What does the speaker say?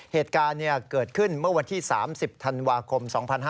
เหตุการณ์เกิดขึ้นเมื่อวันที่๓๐ธันวาคม๒๕๕๙